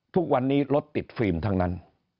ทุกวันนี้รถติดฟิล์มทั้งนั้น